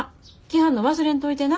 はんの忘れんといてな。